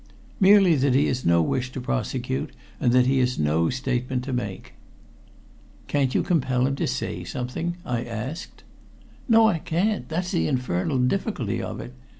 "Merely that he has no wish to prosecute, and that he has no statement to make." "Can't you compel him to say something?" I asked. "No, I can't. That's the infernal difficulty of it.